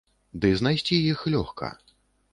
Ды знайсці іх лёгка.